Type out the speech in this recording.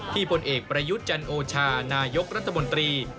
ผลเอกประยุทธ์จันโอชานายกรัฐมนตรี